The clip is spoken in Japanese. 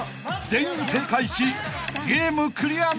［全員正解しゲームクリアなるか？］